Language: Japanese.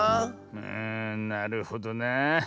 うんなるほどなあ。